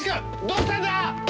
どうしたんだ！